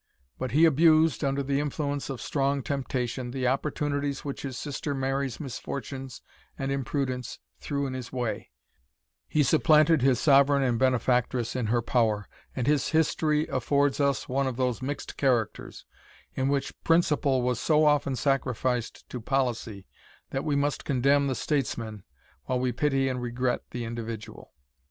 But he abused, under the influence of strong temptation, the opportunities which his sister Mary's misfortunes and imprudence threw in his way; he supplanted his sovereign and benefactress in her power, and his history affords us one of those mixed characters, in which principle was so often sacrificed to policy, that we must condemn the statesman while we pity and regret the individual.